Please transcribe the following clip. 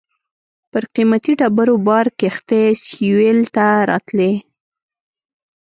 پر قیمتي ډبرو بار کښتۍ سېویل ته راتلې.